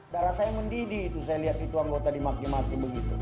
darah saya mendidih itu saya lihat itu anggota dimaki maki begitu